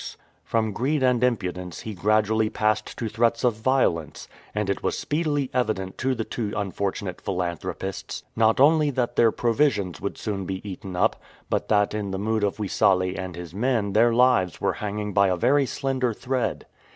From greed and impudence he gradually passed to threats of violence, and it was speedily evident to the two unfortunate philanthropists, not only that their provisions would soon be eaten up, but that in the mood of Wissale and his men their lives were hanging by a very slender thread.